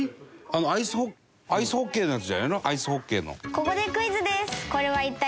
ここでクイズです。